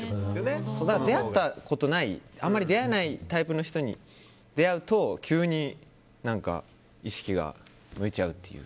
出会ったことないあまり出会えないタイプの人に出会うと急に意識が向いちゃうという。